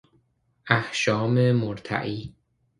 احشام مرتعی